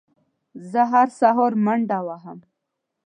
زه هره سهار منډه وهم